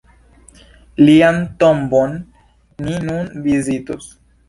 Lian tombon ni nun vizitos.